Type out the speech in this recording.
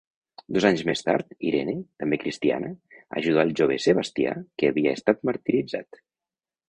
Dos anys més tard, Irene, també cristiana, ajudà el jove Sebastià, que havia estat martiritzat.